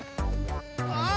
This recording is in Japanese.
ああ！